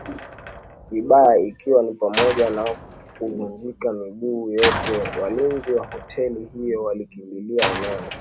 vibaya ikiwa ni pamoja na kuvunjika miguu yote Walinzi wa hoteli hiyo walikimbilia eneo